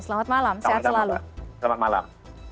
selamat malam salam selalu selamat malam